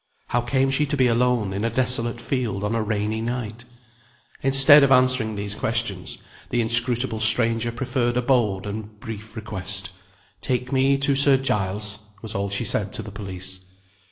How came she to be alone in a desolate field on a rainy night? Instead of answering these questions, the inscrutable stranger preferred a bold and brief request. "Take me to Sir Giles" was all she said to the police.